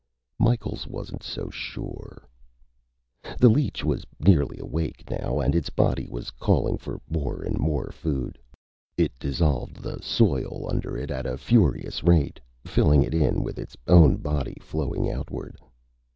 Micheals wasn't so sure. The leech was nearly awake now, and its body was calling for more and more food. It dissolved the soil under it at a furious rate, filling it in with its own body, flowing outward.